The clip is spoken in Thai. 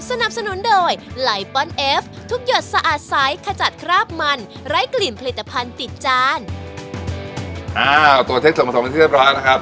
สะอาดใสขจัดคราบมันไร้กลิ่นผลิตภัณฑ์ติดจานอ้าวตรวจเช็คส่วนมาสองที่เรียบร้อยแล้วนะครับ